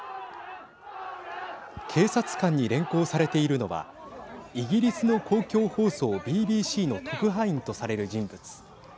警察官に連行されているのはイギリスの公共放送ＢＢＣの特派員とされる人物。